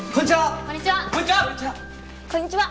こんにちは！